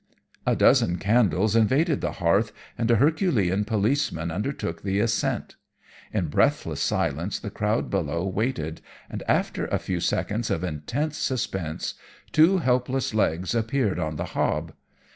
"A dozen candles invaded the hearth, and a herculean policeman undertook the ascent. In breathless silence the crowd below waited, and, after a few seconds of intense suspense, two helpless legs appeared on the hob.